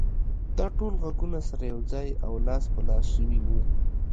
دا ټول غږونه سره يو ځای او لاس په لاس شوي وو.